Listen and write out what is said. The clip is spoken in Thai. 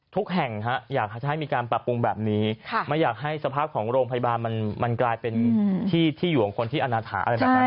ทุกแห่งอยากให้มีการปรับปรุงแบบนี้ไม่อยากให้สภาพของโรงพยาบาลมันกลายเป็นที่ที่อยู่ของคนที่อนาถาอะไรแบบนั้น